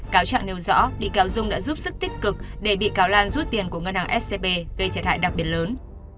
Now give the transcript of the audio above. cáo trạng nêu rõ bị cáo dung đã giúp sức tích cực để bị cáo lan rút tiền của ngân hàng scb gây thiệt hại đặc biệt lớn